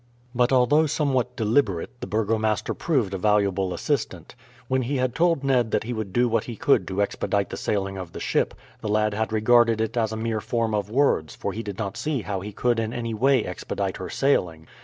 But although somewhat deliberate, the burgomaster proved a valuable assistant. When he had told Ned that he would do what he could to expedite the sailing of the ship, the lad had regarded it as a mere form of words, for he did not see how he could in any way expedite her sailing.